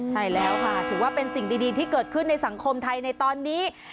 ใช่แล้วค่ะถือว่าเป็นสิ่งดีที่เกิดขึ้นในสังคมไทยในตอนนี้